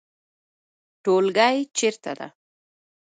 ټولګی چیرته ده؟